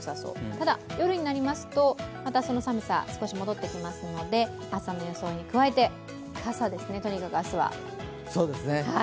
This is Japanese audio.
ただ、夜になりますとまたその寒さが少し戻ってきますので、朝の装いに加えて傘ですね、とにかく明日は。